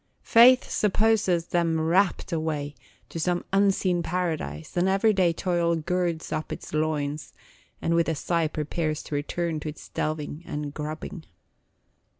Faith supposes them rapt away to some unseen paradise, and every day toil girds up its loins and with a sigh prepares to return to its delving and grubbing.